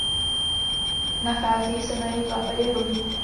Nachází se na jihozápadě Hrobu.